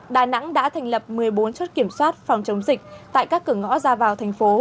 đã được kiểm soát phòng chống dịch tại các cửa ngõ ra vào thành phố